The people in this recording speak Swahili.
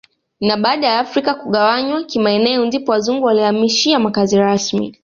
Na baada ya afrika kugawanywa kimaeneo ndipo wazungu walihamishia makazi rasmi